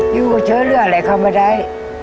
อยู่ก็เชิญเรื่องอะไรเข้ามาได้